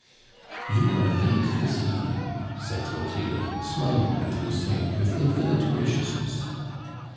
"You are late this evening," said Clotilde, smiling at Lucien with infinite graciousness.